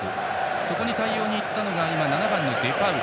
そこに対応にいったのが７番のデパウル。